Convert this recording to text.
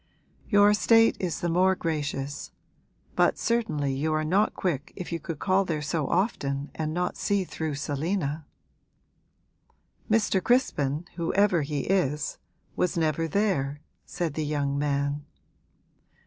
'Your state is the more gracious; but certainly you are not quick if you could call there so often and not see through Selina.' 'Mr. Crispin, whoever he is, was never there,' said the young man.